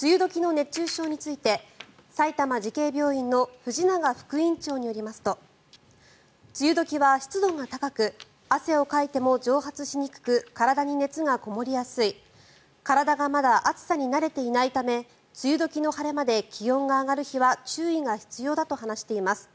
梅雨時の熱中症について埼玉慈恵病院の藤永副院長によりますと梅雨時は湿度が高く汗をかいても蒸発しにくく体に熱がこもりやすい体がまだ暑さに慣れていないため梅雨時の晴れ間で気温が上がる日は注意が必要だと話しています。